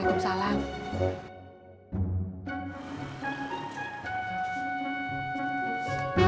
ibu ibu saya duluan ya